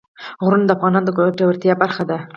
غرونه د افغانانو د ګټورتیا برخه ده.